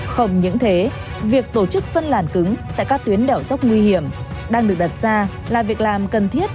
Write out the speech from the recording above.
không những thế việc tổ chức phân làn cứng tại các tuyến đèo dốc nguy hiểm đang được đặt ra là việc làm cần thiết